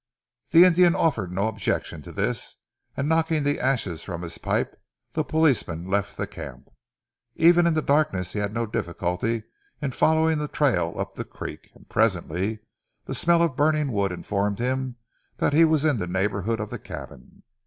The Indian offered no objection to this, and knocking the ashes from his pipe the policeman left the camp. Even in the darkness he had no difficulty in following the trail up the creek, and presently the smell of burning wood informed him that he was in the neighbourhood of the cabin.